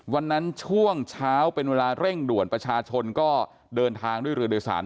วันนั้นช่วงเช้าเป็นเวลาเร่งด่วนประชาชนก็เดินทางด้วยเรือโดยสาร